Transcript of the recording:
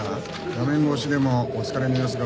画面越しでもお疲れの様子がわかりますよ。